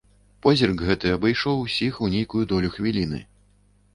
Позірк гэты абышоў усіх у нейкую долю хвіліны.